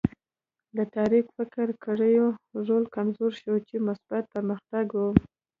د تاریک فکرو کړیو رول کمزوری شو چې مثبت پرمختګ و.